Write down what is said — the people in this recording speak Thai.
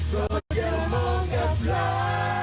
ก็จะมองกับรัก